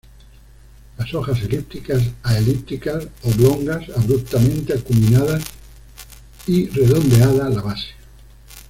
Las hojas elípticas a elípticas oblongas, abruptamente acuminadas y redondeada la base.